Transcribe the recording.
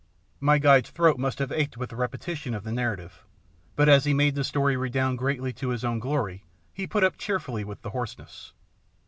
My guide's throat must have ached with the repetition of the narrative, but as he made the story redound greatly to his own glory, he put up cheerfully with the hoarseness.